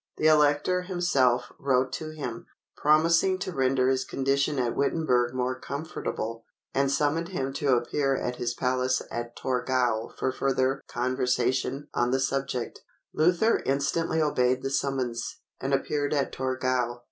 The Elector himself wrote to him, promising to render his condition at Wittenberg more comfortable, and summoned him to appear at his palace at Torgau for further conversation on the subject. Luther instantly obeyed the summons, and appeared at Torgau.